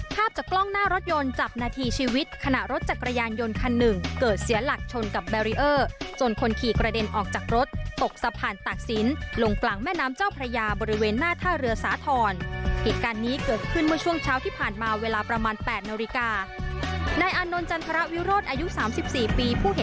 ภาพจากกล้องหน้ารถยนต์จับนาทีชีวิตขณะรถจักรยานยนต์คันหนึ่งเกิดเสียหลักชนกับแบรีเออร์จนคนขี่กระเด็นออกจากรถตกสะพานตากศิลป์ลงกลางแม่น้ำเจ้าพระยาบริเวณหน้าท่าเรือสาธรณ์เหตุการณ์นี้เกิดขึ้นเมื่อช่วงเช้าที่ผ่านมาเวลาประมาณ๘นาฬิกานายอานนท์จันทรวิโรธอายุ๓๔ปีผู้เห็น